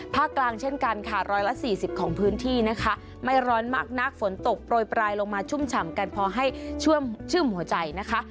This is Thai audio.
ภาคกลางเช่นกันค่ะร้อยละสี่สิบของพื้นที่นะคะไม่ร้อนมากนักฝนตกโปรยปลายลงมาชุ่มฉ่ำกันพอให้เชื่อมชื่มหัวใจนะคะ